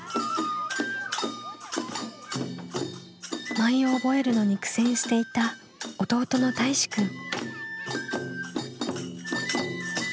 舞を覚えるのに苦戦していた弟のたいしくん。